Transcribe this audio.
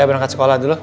ya berangkat sekolah dulu